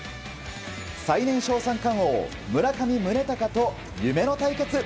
最年少三冠王村上宗隆と夢の対決。